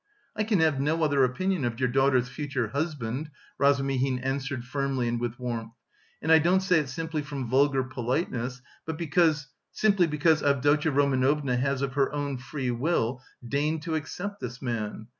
"I can have no other opinion of your daughter's future husband," Razumihin answered firmly and with warmth, "and I don't say it simply from vulgar politeness, but because... simply because Avdotya Romanovna has of her own free will deigned to accept this man.